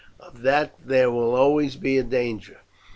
"Of that there will always be a danger.